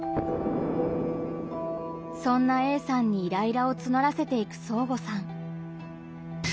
そんなＡさんにイライラをつのらせていくそーごさん。